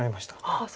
ああ